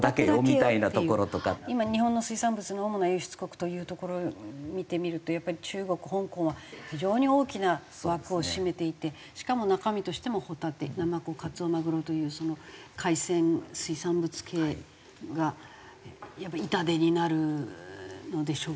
今日本の水産物の主な輸出国というところを見てみるとやっぱり中国香港は非常に大きな枠を占めていてしかも中身としてもホタテなまこかつおまぐろという海鮮水産物系がやっぱり痛手になるのでしょうか。